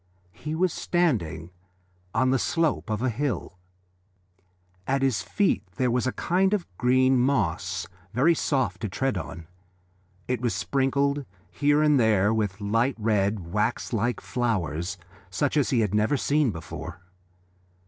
He was standing on the slope of a hill. At his feet there was a kind of green moss, very soft to tread on. It was sprinkled here and there with light red, wax like flowers such as he had never seen before.